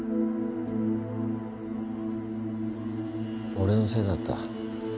俺のせいだった。